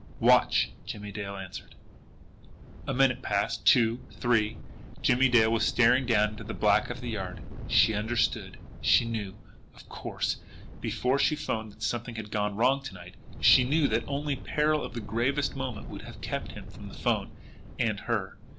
"Watch!" Jimmie Dale answered. A minute passed two three. Jimmie Dale was staring down into the black of the yard. She understood! She knew, of course, before she 'phoned that something had gone wrong to night. She knew that only peril of the gravest moment would have kept him from the 'phone and her.